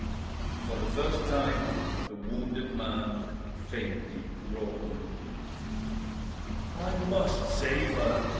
For the first time the wounded man faintly groaned. "I must save her!"